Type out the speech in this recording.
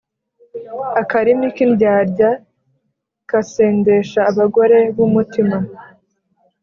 Akarimi k’indyarya kasendesheje abagore b’umutima,